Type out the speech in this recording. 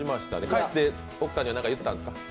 帰って奥さんには何か言ったんですか？